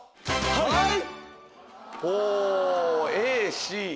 はい！